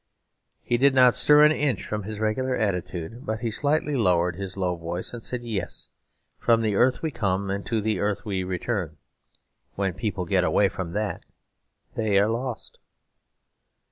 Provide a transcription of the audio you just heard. He did not stir an inch from his regular attitude, but he slightly lowered his low voice and said, 'Yes. From the earth we come and to the earth we return; when people get away from that they are lost.'